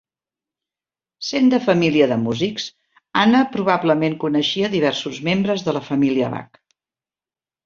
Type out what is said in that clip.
Sent de família de músics, Anna probablement coneixia diversos membres de la família Bach.